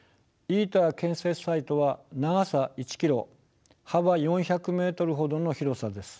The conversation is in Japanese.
ＩＴＥＲ建設サイトは長さ１ｋｍ幅４００ｍほどの広さです。